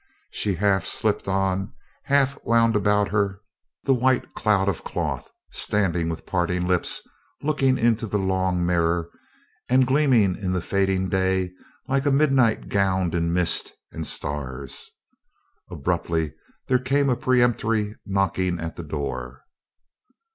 She half slipped on, half wound about her, the white cloud of cloth, standing with parted lips, looking into the long mirror and gleaming in the fading day like midnight gowned in mists and stars. Abruptly there came a peremptory knocking at the door.